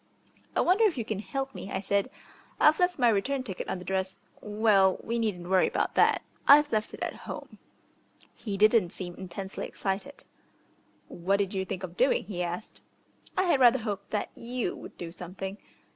"I wonder if you can help me," I said. "I've left my ticket on the dress Well, we needn't worry about that, I've left it at home." He didn't seem intensely excited. "What did you think of doing?" he asked. "I had rather hoped that you would do something."